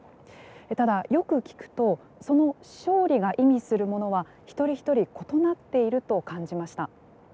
ただ、よく聞くとその勝利が意味するものは一人一人異なっていると感じました。